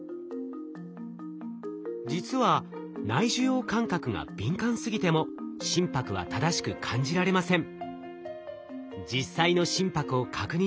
実は内受容感覚が敏感すぎても心拍は正しく感じられません。